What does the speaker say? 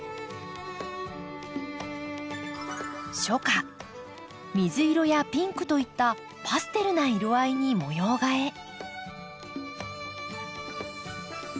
初夏水色やピンクといったパステルな色合いに模様替え。